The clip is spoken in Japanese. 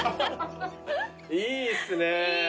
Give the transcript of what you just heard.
いいですね。